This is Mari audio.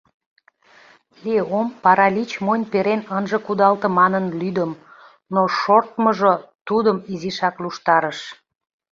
Леом паралич монь перен ынже кудалте манын лӱдым, но шортмыжо тудым изишак луштарыш.